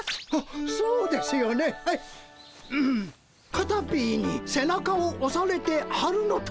「カタピーにせなかをおされて春の旅」。